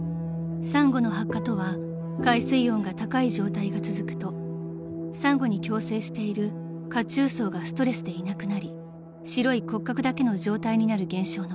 ［サンゴの白化とは海水温が高い状態が続くとサンゴに共生している褐虫藻がストレスでいなくなり白い骨格だけの状態になる現象のこと］